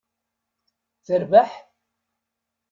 Terbeḥ?